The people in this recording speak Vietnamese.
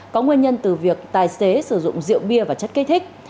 có nguyên nhân từ việc tài xế sử dụng rượu bia và chất kích thích